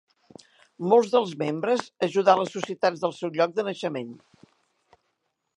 Molts dels membres ajudar les societats del seu lloc de naixement.